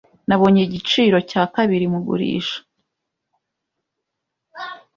Nabonye igiciro cya kabiri mugurisha.